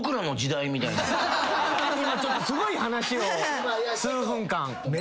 今ちょっとすごい話を数分間。